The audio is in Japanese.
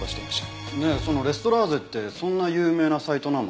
ねえそのレストラーゼってそんな有名なサイトなの？